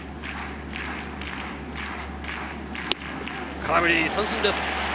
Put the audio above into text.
空振り三振です。